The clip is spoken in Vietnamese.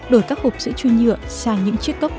đổi các hộp sữa chua nhựa sang những chiếc cốc